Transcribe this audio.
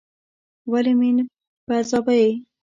ولي مې په عذابوې ؟